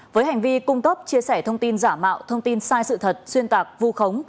với hành vi cung cấp chia sẻ thông tin giả mạo thông tin sai sự thật xuyên tạc vu khống